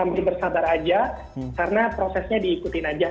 mesti bersabar aja karena prosesnya diikutin aja